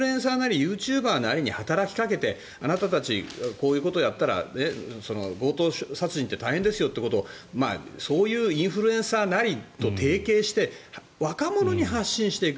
ユーチューバーなりに働きかけてあなたたちこういうことをやったら強盗殺人って大変ですよってそういうインフルエンサーなりと提携して若者に発信していく。